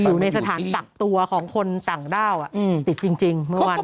อยู่ในสถานกักตัวของคนต่างด้าวติดจริงเมื่อวาน